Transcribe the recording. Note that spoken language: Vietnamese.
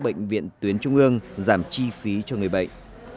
bệnh viện tuyến trung ương giảm chi phí cho người bệnh